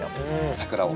桜を？